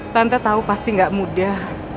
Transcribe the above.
tante tahu pasti gak mudah